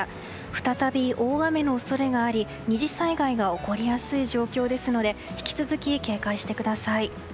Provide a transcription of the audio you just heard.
再び大雨の恐れがあり２次災害が起こりやすい状況ですので引き続き警戒してください。